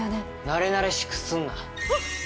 なれなれしくすんなわっ！